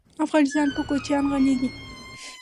افغانستان په کوچیان غني دی.